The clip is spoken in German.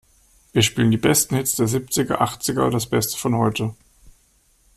Wir spielen die besten Hits der Siebziger, Achtziger und das Beste von heute!